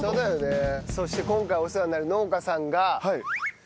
そして今回お世話になる農家さんが。